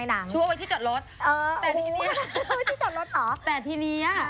นางนาง